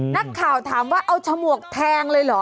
นักข่าวถามว่าเอาฉมวกแทงเลยเหรอ